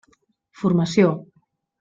Formació.